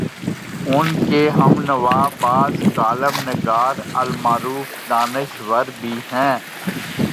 ان کے ہم نوا بعض کالم نگار المعروف دانش ور بھی ہیں۔